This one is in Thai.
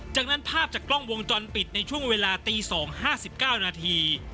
จากนั้นภาพจากกล้องวงจรปิดในช่วงเวลาตีสองห้าสิบเก้านาที